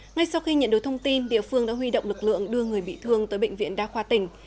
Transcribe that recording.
ngay sau khi nhận được thông tin địa phương đã huy động lực lượng đưa người bị thương tới bệnh viện đa khoa tỉnh